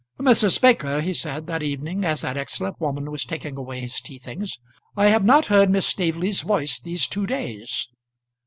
"Mrs. Baker," he said that evening, as that excellent woman was taking away his tea things, "I have not heard Miss Staveley's voice these two days."